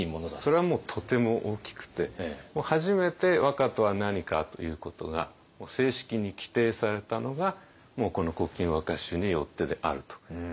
それはもうとても大きくて初めて和歌とは何かということが正式に規定されたのがこの「古今和歌集」によってであると。